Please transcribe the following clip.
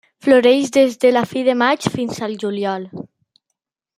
Floreix des de la fi de maig fins al juliol.